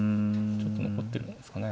ちょっと残ってるんですかね。